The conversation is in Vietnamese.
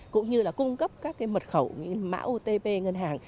cũng như là cung cấp các cái mật khẩu mã otp ngân hàng